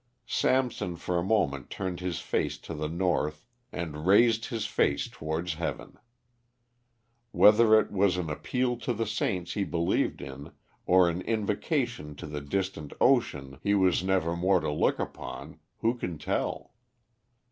Samson for a moment turned his face to the north and raised his face towards heaven. Whether it was an appeal to the saints he believed in, or an invocation to the distant ocean he was never more to look upon, who can tell?